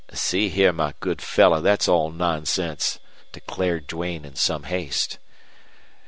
"See here, my good fellow, that's all nonsense," declared Duane, in some haste.